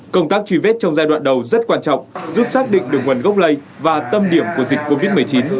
công tác truy vết trong giai đoạn đầu rất quan trọng giúp xác định được nguồn gốc lây và tâm điểm của dịch covid một mươi chín